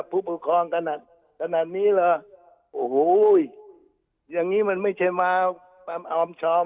ผู้ปกครองขนาดขนาดนี้เหรอโอ้โหอย่างนี้มันไม่ใช่มาออมชอม